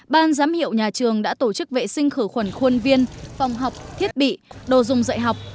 ban giám hiệu nhà trường đã tổ chức vệ sinh khử khuẩn khuôn viên phòng học thiết bị đồ dùng dạy học